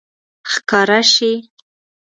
ښکاره شي